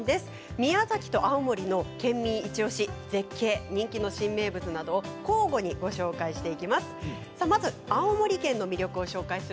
宮崎と青森の県民イチおし絶景人気の新名物などを交互にご紹介していきます。